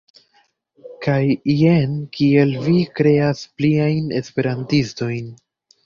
Kaj jen kiel vi kreas pliajn esperantistojn.